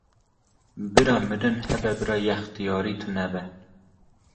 Bira mirin hebe bira yextiyarî tunebe